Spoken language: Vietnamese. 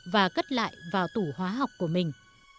và cất lại vào tủ hóa học của mình